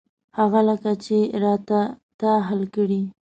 هغه لکه چې را ته ته حل کړې.